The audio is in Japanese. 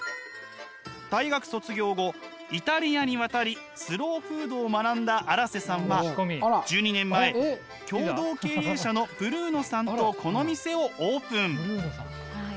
大学卒業後イタリアに渡りスローフードを学んだ荒瀬さんは１２年前共同経営者のブルーノさんとこの店をオープン。